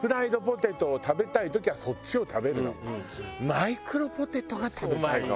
マイクロポテトが食べたいの。